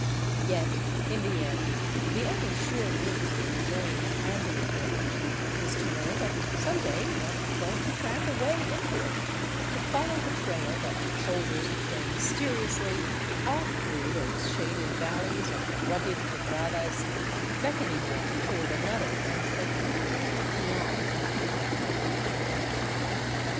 Yet in the end the only sure means of enjoying an Andean range is to know that some day one is going to tramp away into it, to follow the trail that shoulders its way mysteriously off through those shaded valleys and rugged quebradas, beckoning one toward another and a new world beyond.